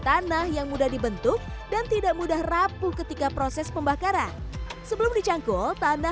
tanah yang mudah dibentuk dan tidak mudah rapuh ketika proses pembakaran sebelum dicangkul tanah